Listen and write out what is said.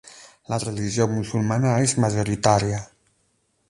La religió musulmana és majoritària.